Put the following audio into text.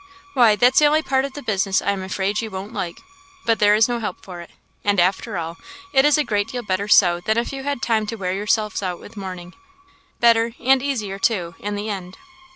"Why, that's the only part of the business I am afraid you won't like but there is no help for it; and, after all, it is a great deal better so than if you had time to wear yourselves out with mourning; better, and easier too, in the end."